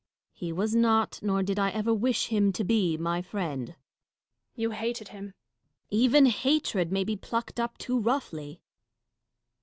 He was not, nor did I ever wish him to be. my friend. Catharine. You hated him. Dashkof. Even hatred may be plucked up too roughly.